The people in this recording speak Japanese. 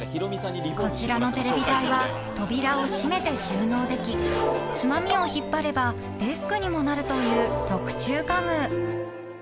［こちらのテレビ台は扉を閉めて収納できツマミを引っ張ればデスクにもなるという特注家具］